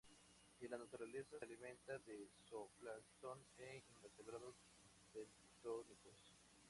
En la naturaleza se alimenta de zooplancton e invertebrados bentónicos.